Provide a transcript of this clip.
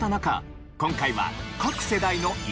今回は。